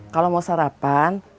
kalau mau sarapan